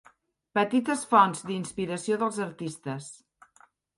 Petites fonts d'inspiració dels artistes.